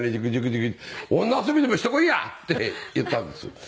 「女遊びでもしてこいや！」って言ったんです。